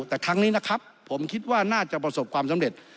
แต่ครั้งนี้นะครับผมคิดว่าน่าจะประสบความสำเร็จ